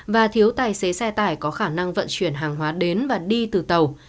và thiếu tài xế xe tải có khả năng vận chuyển hàng hóa đến và đi từ tàu